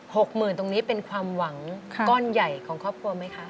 หกหมื่นตรงนี้เป็นความหวังก้อนใหญ่ของครอบครัวไหมคะ